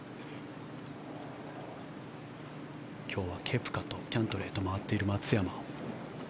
今日はケプカとキャントレーと回っている松山。